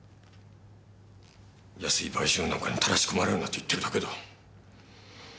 安い売春婦なんかにたらしこまれるなと言ってるだけだ。